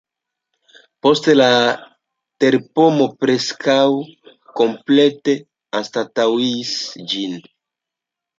Poste la terpomo preskaŭ komplete anstataŭis ĝin.